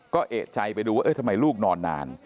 ก็เอกใจไปดูว่าทำไมลูกนอนนาน